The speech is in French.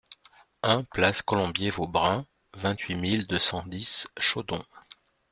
un place Colombier Vaubrun, vingt-huit mille deux cent dix Chaudon